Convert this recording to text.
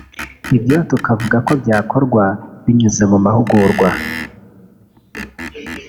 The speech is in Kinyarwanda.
Ibyo tukavuga ko byakorwa binyuze mu mahugurwa